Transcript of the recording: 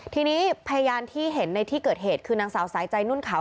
ทีนี้พยานที่เห็นในที่เกิดเหตุคือนางสาวสายใจนุ่นขาว